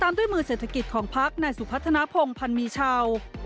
ด้วยมือเศรษฐกิจของพักในสุพัฒนภงพันธ์มีชาว